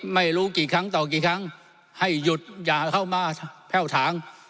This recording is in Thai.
ไม่รู้กี่ครั้งต่อกี่ครั้งให้หยุดอย่าเข้ามาแพ่วถาง